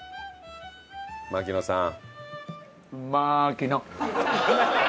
槙野さん。